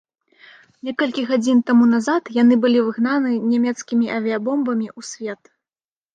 Некалькі гадзін таму назад яны былі выгнаны нямецкімі авіябомбамі ў свет.